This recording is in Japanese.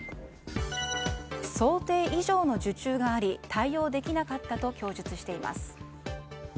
想定以上の受注があり対応できなかったと供述しています。